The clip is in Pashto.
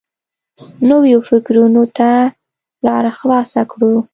نویو فکرونو ته لاره خلاصه کړو.